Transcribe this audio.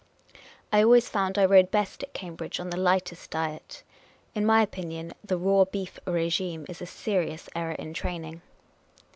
I always found I rowed best at Cambridge on the lightest diet ; in my opinion, the raw beef r6y;ime is a serious error in training.